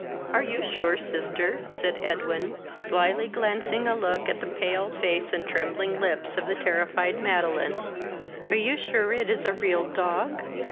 "Are you sure, sister, (said Edwin, slily glancing a look at the pale face and trembling lips of the terrified Madeline,) are you sure it is a real dog?